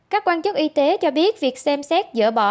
các quan chức y tế cho biết việc xem xét dỡ bỏ